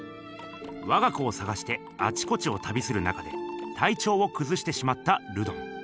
わが子を探してあちこちをたびする中でたいちょうをくずしてしまったルドン。